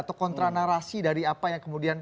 atau kontra narasi dari apa yang kemudian